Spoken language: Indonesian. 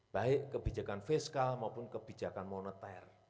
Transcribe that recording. baik kebijakan fiskal maupun kebijakan moneter